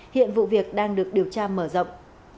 hiện vụ việc đang được điều tra mở rộng